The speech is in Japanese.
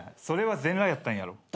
それは全裸やったんやろ。